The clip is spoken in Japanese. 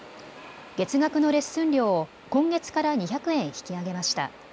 月額のレッスン料を今月から２００円引き上げました。